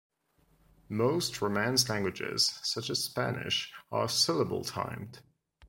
Most Romance languages, such as Spanish, are syllable-timed.